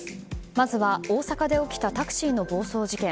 まずは大阪で起きたタクシーの暴走事件。